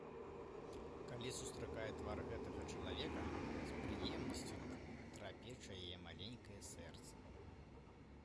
Калі сустракае твар гэтага чалавека, з прыемнасцю трапеча яе маленькае сэрца.